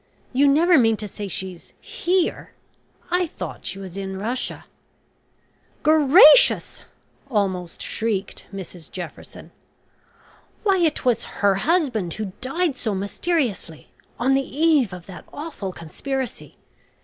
You never mean to say she's here? I thought she was in Russia " "Gracious!" almost shrieked Mrs Jefferson. "Why it was her husband who died so mysteriously, on the eve of that awful conspiracy.